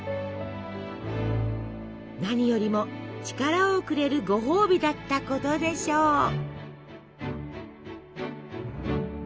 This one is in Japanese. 何よりも力をくれるごほうびだったことでしょう。